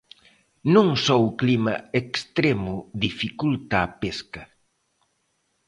Non só o clima extremo dificulta a pesca.